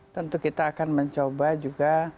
tentu kita akan mencoba juga